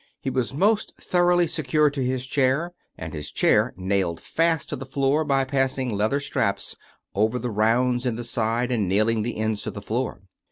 He was most thoroughly secured to his chair, and his chair nailed fast to the floor by passing leather straps over the rounds in the side and nailing the ends to the floor.